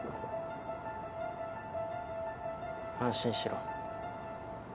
安心しろ。